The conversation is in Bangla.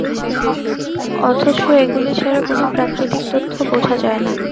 অথচ এগুলি ছাড়া কোন প্রাকৃতিক তথ্য বোঝা যায় না।